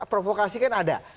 provokasi kan ada